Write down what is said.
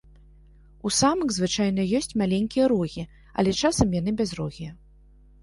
У самак звычайна ёсць маленькія рогі, але часам яны бязрогія.